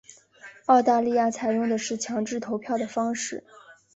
澳大利亚采用的是强制投票的方式。